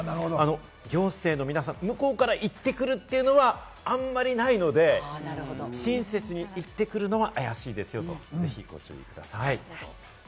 行政の皆さん、向こうから言ってくるっていうのは、あまりないので、親切に言ってくるのは、あやしいですよと、ぜひご注目ください。